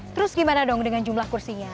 terus gimana dong dengan jumlah kursinya